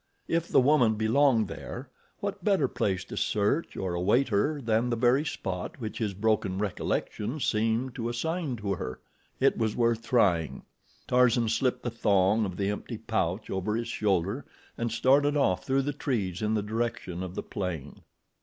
If the woman belonged there, what better place to search or await her than the very spot which his broken recollections seemed to assign to her? It was worth trying. Tarzan slipped the thong of the empty pouch over his shoulder and started off through the trees in the direction of the plain.